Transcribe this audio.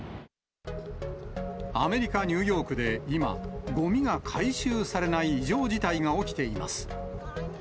アメリカ・ニューヨークで今、ごみが回収されない異常事態が起きています。